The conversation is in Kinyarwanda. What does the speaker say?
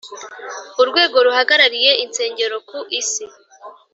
Urwego ruhagarariye insengero ku isi